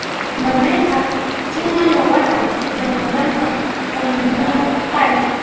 Mamayqa kinuwa lawata mankamanta qaywinawan qaran.